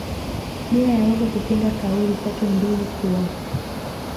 bila ya woga kupinga kauli zake mbili kuwa